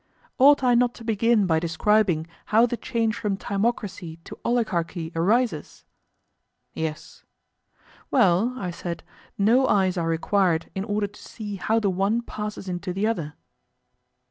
Ought I not to begin by describing how the change from timocracy to oligarchy arises? Yes. Well, I said, no eyes are required in order to see how the one passes into the other.